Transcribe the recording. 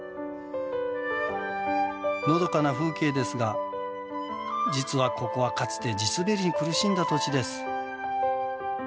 のどかな風景ですが実はここはかつて地滑りに苦しんだ土地です。